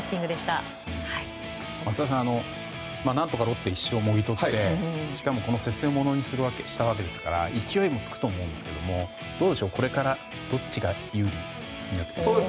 松田さん何とかロッテが１勝をもぎ取りしかも、この接戦を物にしたわけですから勢いもつくと思うんですがこれからはどっちが有利になってきますか？